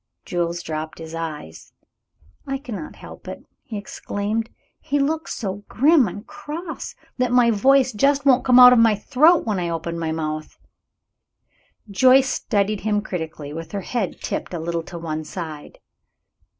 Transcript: Jules dropped his eyes. "I cannot help it," he exclaimed. "He looks so grim and cross that my voice just won't come out of my throat when I open my mouth." Joyce studied him critically, with her head tipped a little to one side.